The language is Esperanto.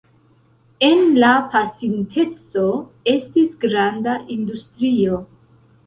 En la pasinteco estis granda industrio.